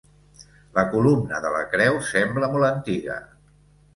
La columna de la creu sembla molt antiga.